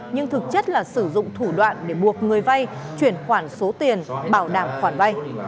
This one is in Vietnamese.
nhưng thực chất là sử dụng thủ đoạn để buộc người vay chuyển khoản số tiền bảo đảm khoản vay